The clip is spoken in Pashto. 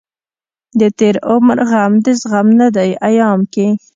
دتېر عمر غم دزغم نه دی ايام کې